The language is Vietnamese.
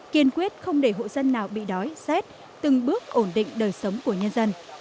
kiên quyết không để hộ dân nào bị đói rét từng bước ổn định đời sống của nhân dân